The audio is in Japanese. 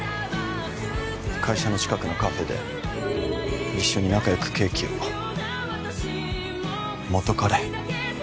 会社の近くのカフェで一緒に仲よくケーキを元彼？